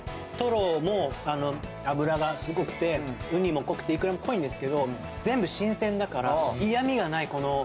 トロも脂がすごくて、ウニも濃くて、いくらも濃いんですけど、全部新鮮だから、嫌みがない。